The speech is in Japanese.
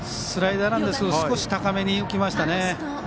スライダーなんですけど少し高めに浮きましたね。